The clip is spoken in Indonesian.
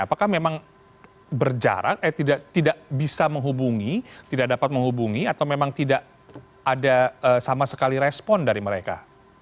apakah memang berjarak tidak bisa menghubungi tidak dapat menghubungi atau memang tidak ada sama sekali respon dari mereka